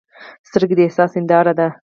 سترګې د احساس هنداره ده